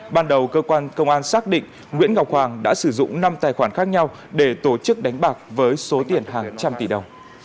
ban đầu cơ quan công an xác định nguyễn ngọc hoàng đã sử dụng năm tài khoản khác nhau để tổ chức đánh bạc với số tiền hàng trăm tỷ đồng